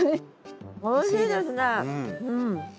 おいしいですね。